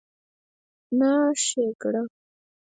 نه ښېګړه